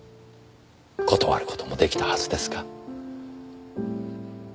断る事も出来たはずですが。